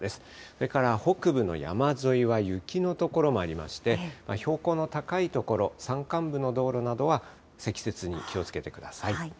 それから北部の山沿いは雪の所もありまして、標高の高い所、山間部の道路などは積雪に気をつけてください。